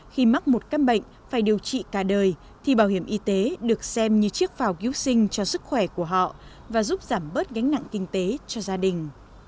khi mắc một căn bệnh phải điều trị cả đời thì bảo hiểm y tế được xem như chiếc phao cứu sinh cho sức khỏe của họ và giúp giảm bớt gánh nặng kinh tế cho gia đình